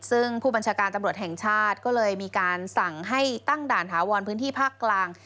ซึ่งผู้บัญชาการตำรวจแห่งชาติก็เลยมีการสั่งให้ตั้งด่านถาวรพื้นที่ภาคกลาง